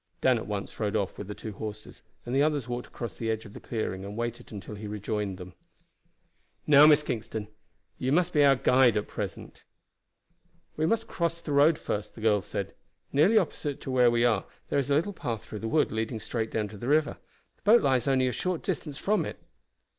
Dan at once rode off with the two horses, and the others walked across to the edge of the clearing and waited until he rejoined them. "Now, Miss Kingston, you must be our guide at present." "We must cross the road first," the girl said. "Nearly opposite to where we are there is a little path through the wood leading straight down to the river. The boat lies only a short distance from it."